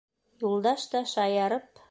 Юлдаш та, шаярып: